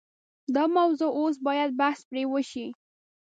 دا موضوع اوس باید بحث پرې وشي.